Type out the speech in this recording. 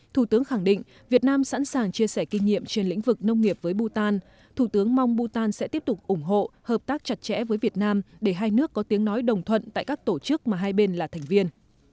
thủ tướng khẳng định việt nam sẵn sàng chia sẻ kinh nghiệm trên lĩnh vực nông nghiệp với bhutan thủ tướng mong bhutan sẽ tiếp tục ủng hộ hợp tác chặt chẽ với việt nam để hai nước có tiếng nói đồng thuận tại các tổ chức mà hai bên là thành viên